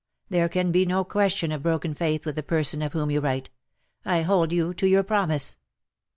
There can be no question of broken faith with the person of whom you write. I hold you to your promise.